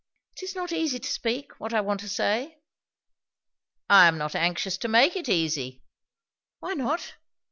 "It is not easy to speak what I want to say." "I am not anxious to make it easy!" "Why not?"